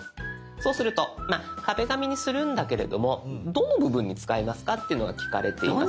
そうすると「壁紙」にするんだけれどもどの部分に使いますか？っていうのが聞かれています。